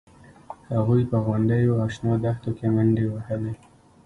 هغوی په غونډیو او شنو دښتونو کې منډې وهلې